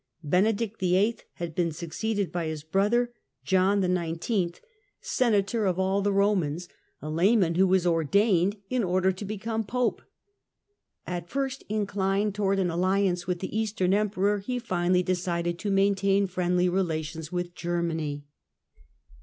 Benedict VIII. had been succeeded by his brother, John XIX., 30 THE CENTKAL PERIOD OF THE MIDDLE AGE ''Senator of all the Komans," a layman who was ordained in order to become Pope. At first inclined to wards an alliance with the Eastern Emperor, he finally decided to maintain friendly relations with Germany.